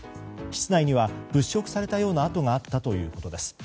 室内には物色されたような跡があったということです。